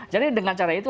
jadi dengan cara itu